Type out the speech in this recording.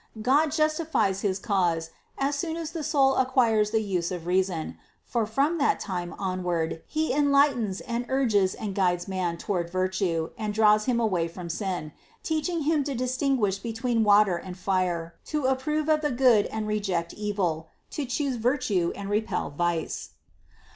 God justifies his cause as soon as the soul acquires the use of reason; for from that time onward He enlightens and urges and guides man toward virtue and draws him away from sin, teaching him to distinguish between water and fire, to approve of the good and reject evil, to choose virtue and repel vice.